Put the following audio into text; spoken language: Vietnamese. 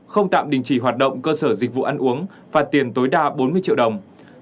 không tạm đình chỉ hoạt động cơ sở dịch vụ ăn uống phạt tiền tối đa bốn mươi triệu đồng